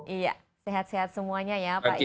iya sehat sehat semuanya ya pak ya